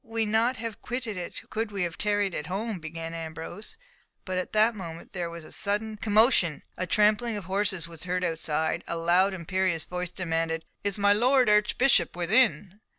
"We'd not have quitted it could we have tarried at home," began Ambrose; but at that moment there was a sudden commotion, a trampling of horses was heard outside, a loud imperious voice demanded, "Is my Lord Archbishop within?"